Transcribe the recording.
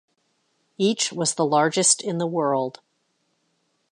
Each was the largest in the world.